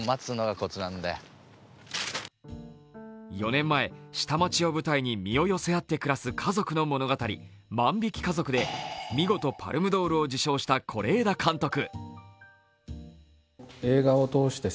４年前、下町を舞台に、身を寄せ合って暮らす家族の物語、「万引き家族」で見事パルムドールを受賞した是枝監督。